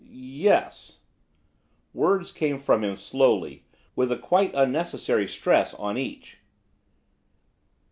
'Yes.' Words came from him slowly, with a quite unnecessary stress on each.